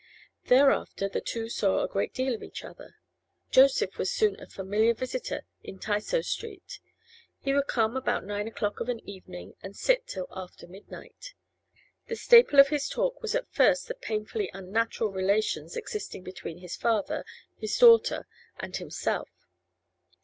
Thereafter the two saw a great deal of each other. Joseph was soon a familiar visitor in Tysoe Street; he would come about nine o'clock of an evening, and sit till after midnight. The staple of his talk was at first the painfully unnatural relations existing between his father, his daughter, and himself.